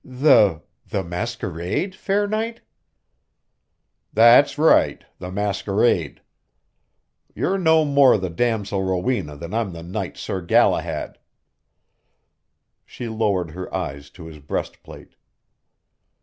"The ... the masquerade, fair knight?" "That's right ... the masquerade. You're no more the damosel Rowena than I'm the knight Sir Galahad." She lowered her eyes to his breastplate.